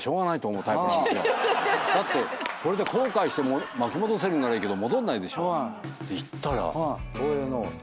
だってこれで後悔しても巻き戻せるならいいけど戻んないでしょ。